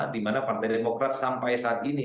dimana partai demokrat sampai saat ini